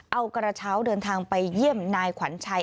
เอากระเช้าเดินทางไปเยี่ยมนายขวัญชัย